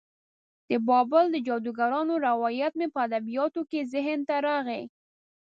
د بابل د جادوګرانو روایت مې په ادبیاتو کې ذهن ته راغی.